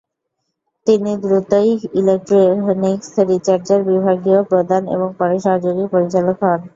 তিনি দ্রুতই ইলেক্ট্রনিক্স রিসার্চের বিভাগীয় প্রদান এবং পরে সহযোগী পরিচালক হন।